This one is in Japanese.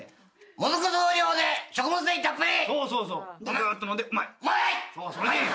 もずく増量で食物繊維たっぷり」